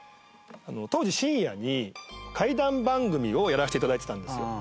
当時深夜に怪談番組をやらせて頂いてたんですよ。